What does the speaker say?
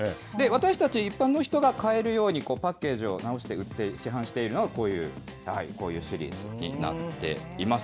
私たち、一般の人が買えるように、パッケージを直していって、市販しているのがこういうシリーズになっています。